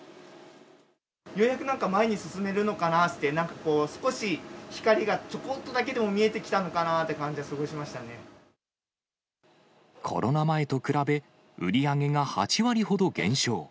ようやくなんか前に進めるのかなって、なんかこう、少し光がちょこっとだけでも見えてきたのかなという感じはすごいコロナ前と比べ、売り上げが８割ほど減少。